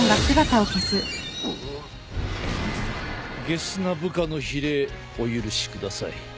げすな部下の非礼お許しください。